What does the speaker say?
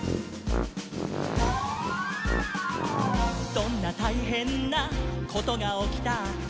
「どんなたいへんなことがおきたって」